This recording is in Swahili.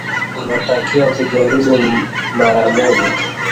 Unatakiwa kujaribu mara moja